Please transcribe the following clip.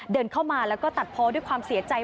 เดินเข้ามาแล้วก็ตัดพอด้วยความเสียใจ